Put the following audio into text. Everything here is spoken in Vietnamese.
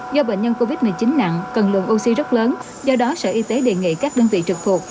do bệnh nhân covid một mươi chín nặng cần lượng oxy rất lớn do đó sở y tế đề nghị các đơn vị trực thuộc